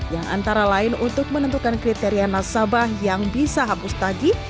yang antara lain untuk menentukan kriteria nasabah yang bisa hapus tagih